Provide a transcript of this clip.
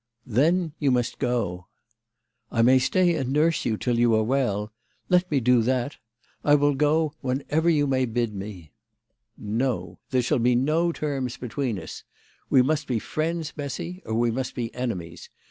" Then you must go." " I may stay and nurse you till you are well. Let me do that. I will go whenever you may bid me." THE LADY OF LAUNAY. 151 " No. There shall be no terms between us. "We must be friends, Bessy, or we must be enemies.